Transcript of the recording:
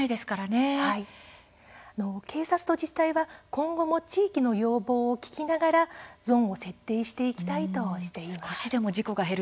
警察と自治体は今後も地域の要望を聞きながらゾーンを設定していきたいとしています。